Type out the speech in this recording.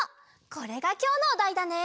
これがきょうのおだいだね！